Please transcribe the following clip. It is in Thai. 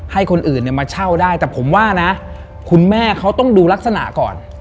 ให้คนอื่นเนี่ยมาเช่าได้แต่ผมว่านะคุณแม่เขาต้องดูลักษณะก่อน